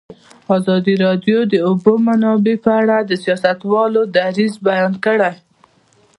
ازادي راډیو د د اوبو منابع په اړه د سیاستوالو دریځ بیان کړی.